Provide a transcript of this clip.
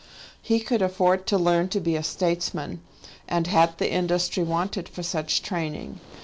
He could afford to learn to be a statesman, and had the industry wanted for such training.